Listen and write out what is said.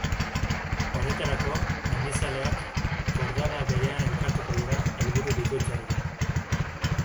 Horretarako, mendizaleak kordada berean elkartuko dira, helburu bikoitzarekin.